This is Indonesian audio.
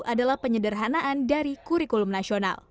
adalah penyederhanaan dari kurikulum nasional